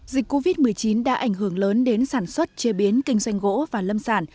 dịch covid một mươi chín đã ảnh hưởng lớn đến sản xuất chế biến kinh doanh gỗ và lâm sản